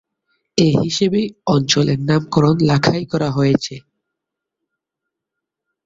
এ হিসেবেই অঞ্চলের নামকরণ লাখাই করা হয়েছে।